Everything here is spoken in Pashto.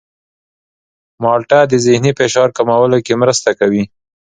مالټه د ذهني فشار کمولو کې مرسته کوي.